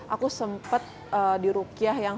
aku sempet di rukyah yang